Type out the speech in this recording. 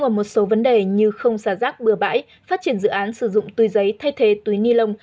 một số vấn đề như không xả rác bừa bãi phát triển dự án sử dụng túi giấy thay thế túi ni lông